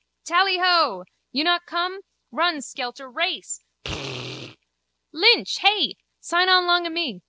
Tally ho. You not come? Run, skelter, race. Pflaaaap! Lynch! Hey? Sign on long o' me.